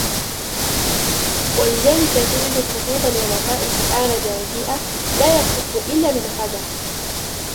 وَلِذَلِكَ تَجِدُ خُطُوطَ الْعُلَمَاءِ فِي الْأَغْلَبِ رَدِيئَةً لَا يَخُطُّ إلَّا مَنْ أَسْعَدَهُ